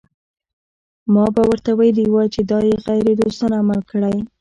ما به ورته ویلي وای چې دا یې غیر دوستانه عمل کړی.